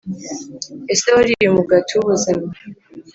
Ese wariye umugati w ubuzima